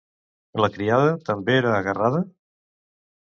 La criada també era agarrada?